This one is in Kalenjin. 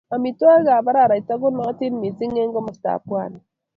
Amitwogiikab araraita ko nootin missing eng komastab pwani.